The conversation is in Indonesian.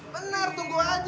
bener tunggu aja